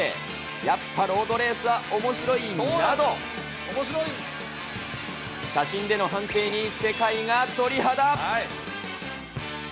やっぱロードレースはおもしろいなど、写真での判定に世界が鳥肌。